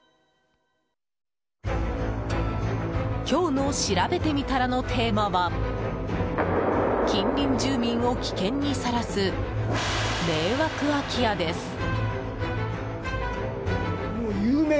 今日のしらべてみたらのテーマは近隣住民を危険にさらす迷惑空き家です。